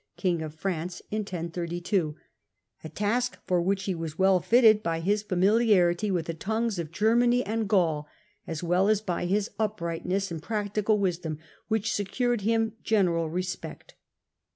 king of Prance, in 1032 ; a task for which he was well fitted by his familiarity with the tongues of Germany and Gaul, as well as by his uprightness and practical wisdom, which secured him general respect.